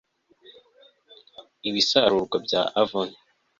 ibisarurwa bya avon